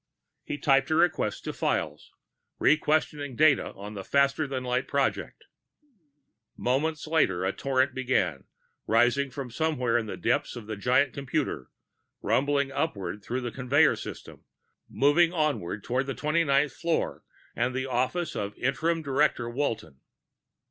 He typed a request to Files, requisitioning data on the faster than light project. Moments later, the torrent began rising from somewhere in the depths of the giant computer, rumbling upward through the conveyor system, moving onward toward the twenty ninth floor and the office of Interim Director Walton.